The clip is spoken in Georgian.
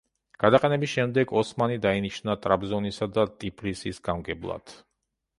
გადაყენების შემდეგ, ოსმანი დაინიშნა ტრაპიზონისა და ტიფლისის გამგებლად.